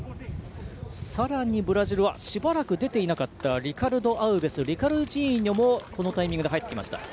さらにブラジルはしばらく出ていなかったリカルド・アウベスリカルジーニョもこのタイミングで入ってきました。